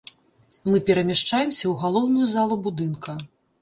Мы перамяшчаемся ў галоўную залу будынка.